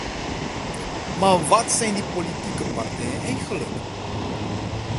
Maar wat zijn die politieke partijen eigenlijk?